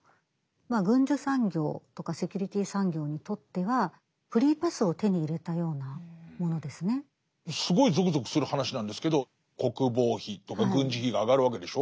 まあ軍需産業とかセキュリティ産業にとってはすごいぞくぞくする話なんですけど国防費とか軍事費が上がるわけでしょ。